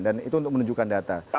dan itu untuk menunjukkan data